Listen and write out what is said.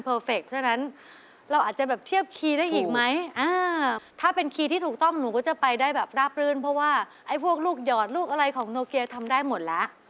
เพราะว่าพวกลูกหยอดลูกอะไรของโนเกียร์ทำได้หมดแล้ว